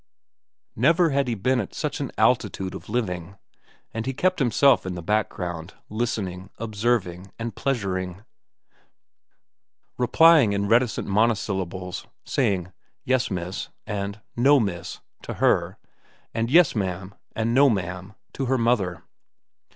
Never had he been at such an altitude of living, and he kept himself in the background, listening, observing, and pleasuring, replying in reticent monosyllables, saying, "Yes, miss," and "No, miss," to her, and "Yes, ma'am," and "No, ma'am," to her mother.